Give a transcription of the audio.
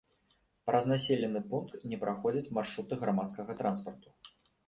Праз населены пункт не праходзяць маршруты грамадскага транспарту.